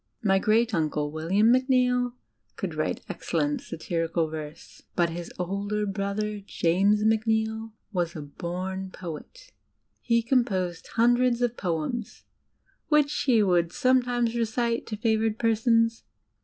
My great uncle, William Macneill, could write excellent satirical verse. But his older brother, James Macneill, was a bom poet. He composed hundreds of poems, which he would somedmes recite to favoured persons.